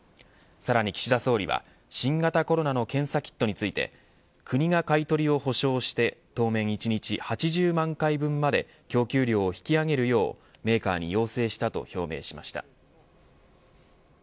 さらに岸田総理は新型コロナ検査キットについて国が買い取りを保証して当面１日８０万回分まで供給量を引き上げるようメーカーに要請したと表明しました。